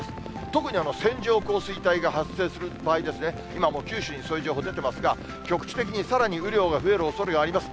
特に線状降水帯が発生する場合ですね、今も九州に、そういう情報出てますが、局地的にさらに雨量が増えるおそれがあります。